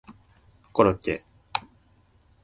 コロッケ